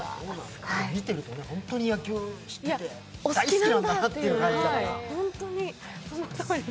見てみると、本当に野球大好きなんだっていう感じだから。